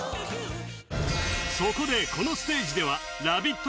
そこでこのステージではラヴィット！